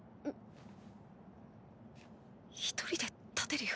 一人で立てるよ。